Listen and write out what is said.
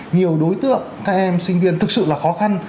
nhiều đối tượng các em sinh viên thực sự là khó khăn